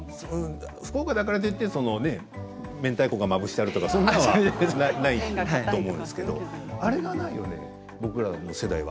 福岡だからといってめんたいこがまぶしてあるとかそういうのはないと思うんですけれどあれがないよね、僕らの世代は。